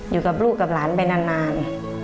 อยู่กับลูกกับหลานไปนาน